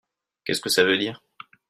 Qu'est-ce que ça veut dire ?